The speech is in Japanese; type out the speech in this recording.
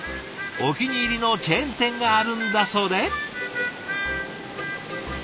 お気に入りのチェーン店があるんだそうで。